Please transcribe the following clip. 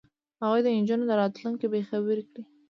هغوی د نجونو راتلونکی بې برخې کړ.